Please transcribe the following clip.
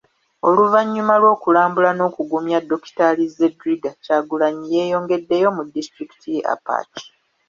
Oluvannyuma lw'okulambula n'okugumya Dokitaali Zedriga, Kyagulanyi yeeyongeddeyo mu disitulikiti y'e Apac .